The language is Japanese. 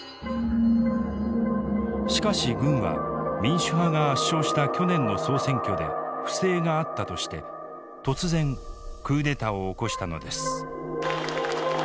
しかし軍は民主派が圧勝した去年の総選挙で不正があったとして突然クーデターを起こしたのです。